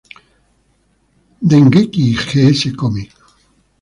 Dengeki G's Comic